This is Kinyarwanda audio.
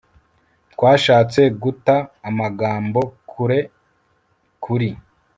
twashatse guta amagambo kure; kuri